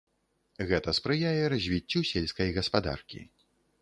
Гэта спрыяе развіццю сельскай гаспадаркі.